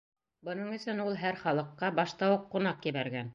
Бының өсөн ул һәр халыҡҡа башта уҡ ҡунаҡ ебәргән.